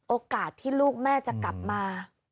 โอกาสที่ลูกแม่จะกลับมา